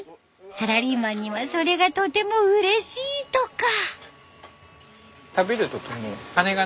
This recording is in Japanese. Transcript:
サラリーマンにはそれがとてもうれしいとか。